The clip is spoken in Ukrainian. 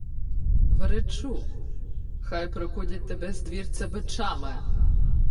— Вречу, хай прокудять тебе з двірця бичами!